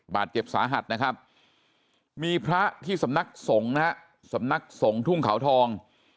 บาดเจ็บสาหัสนะครับมีพระที่สำนักสงฆ์นะฮะสำนักสงฆ์ทุ่งเขาทอง